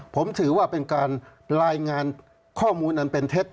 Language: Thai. ผมถือว่าเป็นการรายงานข้อมูลอันเป็นเท็จ